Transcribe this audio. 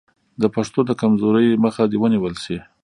د پښتو د کمزورۍ مخه دې ونیول شي.